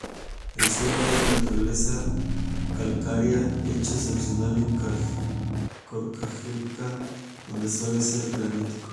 El suelo es de naturaleza calcárea, hecho excepcional en Córcega, donde suele ser granítico.